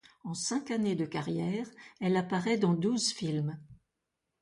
En cinq années de carrière, elle apparaît dans douze films.